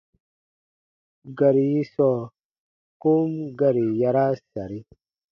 Gari yi sɔɔ kom gari yaraa sari.